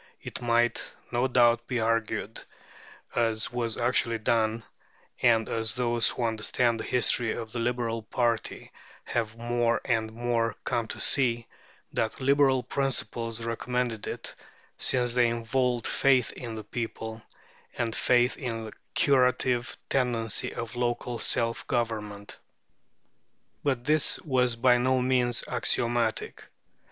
It might, no doubt, be argued, as was actually done, and as those who understand the history of the Liberal party have more and more come to see, that Liberal principles recommended it, since they involve faith in the people, and faith in the curative tendency of local self government. But this was by no means axiomatic.